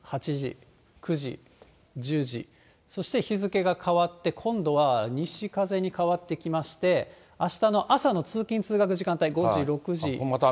７時、８時、９時、１０時、そして日付が変わって今度は西風に変わってきまして、あしたの朝の通勤・通学の時間帯、５時、６時、７時。